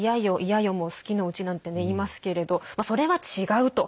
嫌よも好きのうちなんてね、言いますけれどそれは違うと。